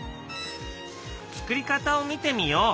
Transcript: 作り方を見てみよう！